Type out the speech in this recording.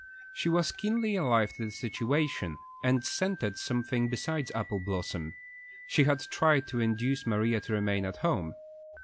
She was keenly alive to the situation, and scented something besides apple blossoms. She had tried to induce Maria to remain at home.